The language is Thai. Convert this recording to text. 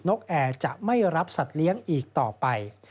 กแอร์จะไม่รับสัตว์เลี้ยงอีกต่อไป